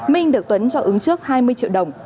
minh được tuấn cho ứng trước hai mươi triệu đồng